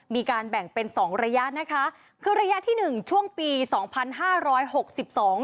มีการแบ่งเป็นสองระยะนะคะคือระยะที่หนึ่งช่วงปีสองพันห้าร้อยหกสิบสอง